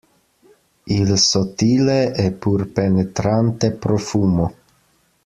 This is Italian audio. Il sottile e pur penetrante profumo.